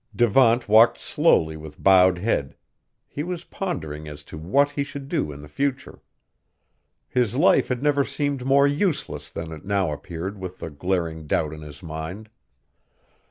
Devant walked slowly with bowed head; he was pondering as to what he should do in the future. His life had never seemed more useless than it now appeared with the glaring doubt in his mind.